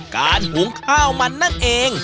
การหงข้าวมันนั่งเอง